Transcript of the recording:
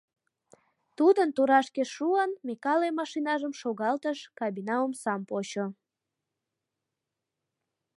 Тудын турашке шуын, Микале машинажым шогалтыш, кабина омсам почо.